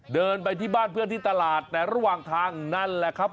เดินไปที่บ้านเพื่อนที่ตลาดแต่ระหว่างทางนั่นแหละครับ